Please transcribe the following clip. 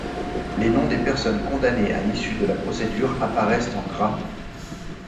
Les noms des personnes condamnées à l'issue de la procédure apparaissent en gras.